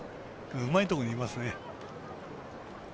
うまいところにいますね。